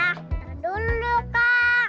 tunggu dulu kak